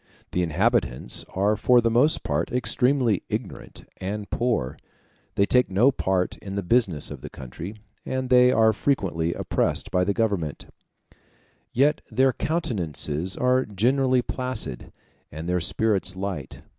The inhabitants are for the most part extremely ignorant and poor; they take no part in the business of the country, and they are frequently oppressed by the government; yet their countenances are generally placid, and their spirits light.